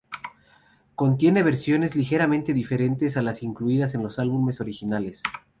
Contiene versiones ligeramente diferentes a las incluidas en los álbumes originales.